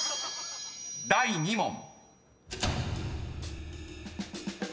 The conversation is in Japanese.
［第２問］